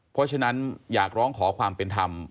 เพราะฉะนั้นอยากร้องขอความเป็นธรรม